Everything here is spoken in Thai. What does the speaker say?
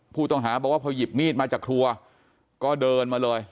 ผู้ต้องหาบอกว่าพอหยิบมีดมาจากครัวก็เดินมาเลย